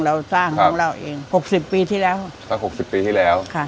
เราสร้างของเราเองหกสิบปีที่แล้วสักหกสิบปีที่แล้วค่ะ